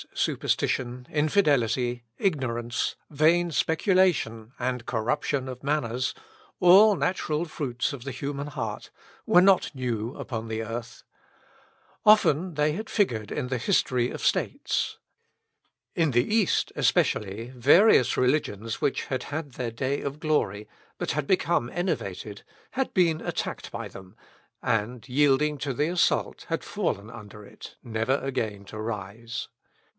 superstition, infidelity, ignorance, vain speculation, and corruption of manners all natural fruits of the human heart were not new upon the earth. Often had they figured in the history of states. In the East, especially, various religions which had had their day of glory, but had become enervated, had been attacked by them, and, yielding to the assault, had fallen under it, never again to rise.